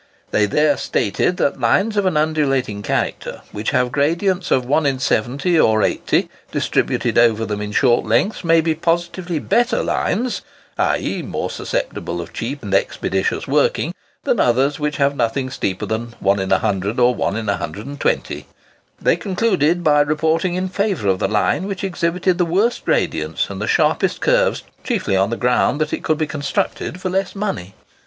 They there stated that lines of an undulating character "which have gradients of 1 in 70 or in 80 distributed over them in short lengths, may be positively better lines, i.e., more susceptible of cheap and expeditious working, than others which have nothing steeper than 1 in 100 or 1 in 120!" They concluded by reporting in favour of the line which exhibited the worst gradients and the sharpest curves, chiefly on the ground that it could be constructed for less money.